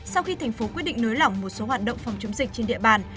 sau khi thành phố quyết định nới lỏng một số hoạt động phòng chống dịch trên địa bàn